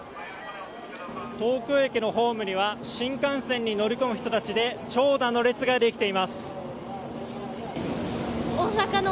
東京駅のホームには新幹線に乗り込む人たちで長蛇の列ができています。